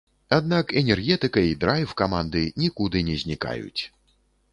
Аднак энергетыка і драйв каманды нікуды не знікаюць.